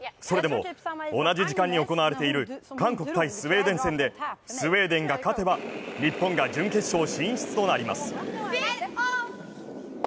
それでも同じ時間帯に行われている韓国×スウェーデンでスウェーデンが勝てば日本が準決勝進出となります。